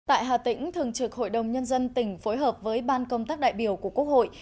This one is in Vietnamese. tại hà tĩnh thường trực hội đồng nhân dân tỉnh phối hợp với ban công tác đại biểu của quốc hội